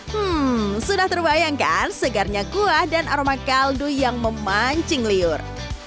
hmm sudah terbayangkan segarnya kuah dan aroma kaldu yang memancing liur